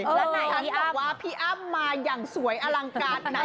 แล้วพี่บอกว่าพี่อ้ำมาอย่างสวยอลังการไหน